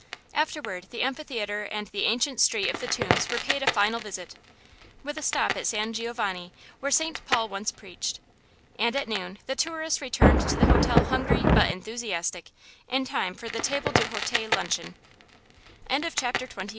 Afterward the amphitheatre and the ancient street of the tombs were paid a final visit, with a stop at San Giovanni, where St. Paul once preached. And at noon the tourists returned to the hotel hungry but enthusiastic, in time for the table d' hote luncheon. CHAPTER XXIX TATO WINS "This is funny!"